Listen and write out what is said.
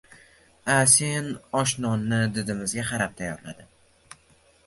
A-Sin osh-nonni didimizga qarab tayyorlardi